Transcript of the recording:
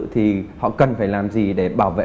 thì họ cần phải làm gì để bảo vệ